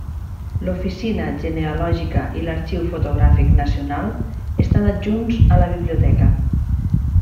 L'Oficina Genealògica i l'Arxiu Fotogràfic Nacional estan adjunts a la biblioteca.